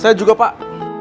saya juga pak